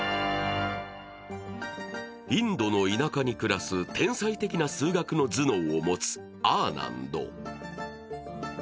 インドの田舎に暮らす天才的な数学の頭脳を持つアーナンド。